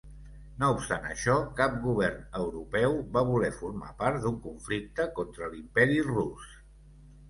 No obstant això, cap govern europeu va voler formar part d'un conflicte contra l'Imperi Rus.